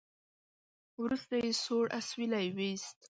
وروسته يې سوړ اسويلی وېست.